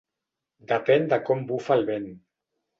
Depèn de com bufa el vent.